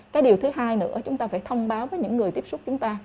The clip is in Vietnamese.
cái điều thứ hai nữa chúng ta phải thông báo với những người tiếp xúc chúng ta